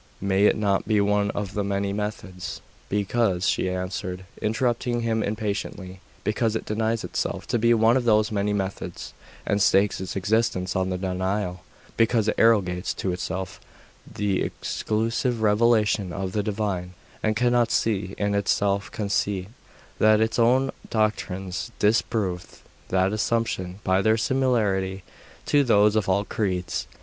may it not be one of the many methods ' 'Because,' she answered, interrupting him impatiently, 'because it denies itself to be one of those many methods, and stakes its existence on the denial; because it arrogates to itself the exclusive revelation of the Divine, and cannot see, in its self conceit, that its own doctrines disprove that assumption by their similarity to those of all creeds.